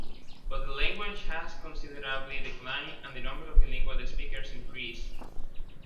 But the language had considerably declined and the number of bilingual speakers increased.